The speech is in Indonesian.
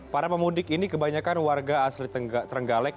para pemudik ini kebanyakan warga asli terenggalek